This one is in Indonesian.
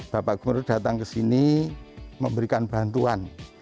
bapak gubernur datang ke sini memberikan bantuan